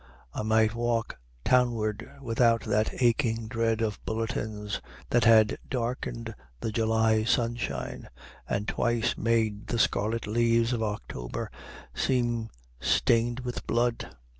I might walk townward without that aching dread of bulletins that had darkened the July sunshine and twice made the scarlet leaves of October seem stained with blood.